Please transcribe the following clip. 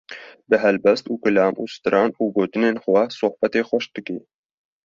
bi helbest û kilam û stran û gotinên xwe sohbetê xweş dike.